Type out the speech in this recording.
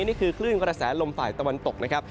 นี่คือคลื่นกระแสลมฝ่ายตะวันตกนะครับ